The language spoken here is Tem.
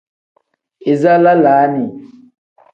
Iza lalaani.